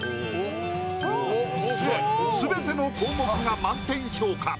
全ての項目が満点評価！